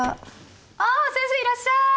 あ先生いらっしゃい。